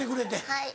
はい。